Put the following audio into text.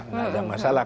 nggak ada masalah